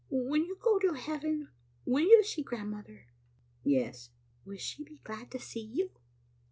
When you go to Heaven, will you see grandmother?" "Yes," " Will she be glad to see you?"